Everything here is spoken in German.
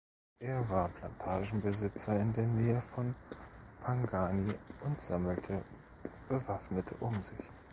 Er war Plantagenbesitzer in der Nähe von Pangani und sammelte Bewaffnete um sich.